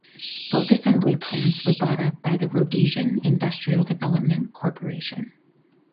Both assembly plants were bought up by the Rhodesian "Industrial Development Corporation".